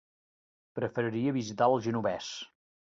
Preferiria visitar el Genovés.